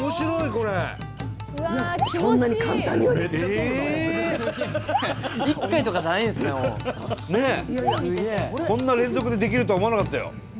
こんな連続でできるとは思わなかったよ。